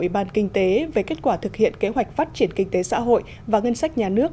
ủy ban kinh tế về kết quả thực hiện kế hoạch phát triển kinh tế xã hội và ngân sách nhà nước